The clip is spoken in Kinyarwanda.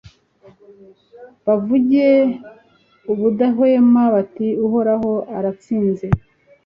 bavuge ubudahwema bati uhoraho aratsinze